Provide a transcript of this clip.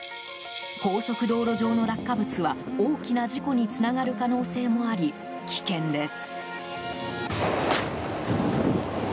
高速道路上の落下物は大きな事故につながる可能性もあり、危険です。